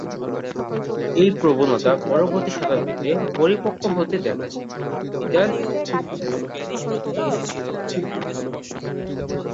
এই প্রবণতা পরবর্তী শতাব্দীতে পরিপক্ক হতে দেখা যায়। ইতালীয় প্রভাব স্প্যানিশ মাধ্যমে এসেছিল, যা আরও স্পষ্ট।